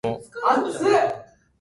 大日本帝国